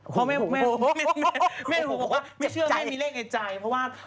เพราะแม่ไม่เชื่อแม่มีเลขในใจเพราะว่า